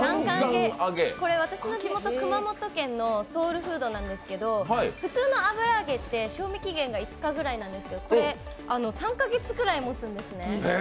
これ、私の地元・熊本県のソウルフードなんですけど普通の油揚げって賞味期限が５日ぐらいなんですけど、これ、３カ月ぐらいもつんですね。